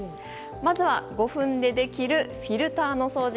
まずは５分でできるフィルターの掃除。